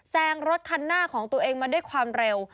แซงรถคันหน้าของตัวเองมาด้วยความเร็ว